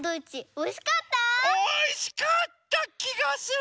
おいしかったきがする。